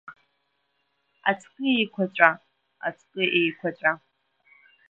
Аҵкы еиқәаҵәа, аҵкы еиқәаҵәа…